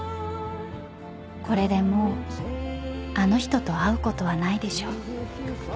［これでもうあの人と会うことはないでしょう］